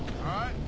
はい。